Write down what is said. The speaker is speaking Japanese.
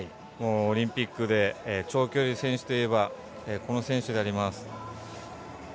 オリンピックで長距離選手といえばこの選手であります。